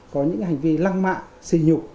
có những hành vi lăng mạng xì nhục